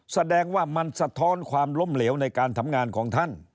แสดงว่ามันสะท้อนความล้มเหลวในการทำงานของท่าน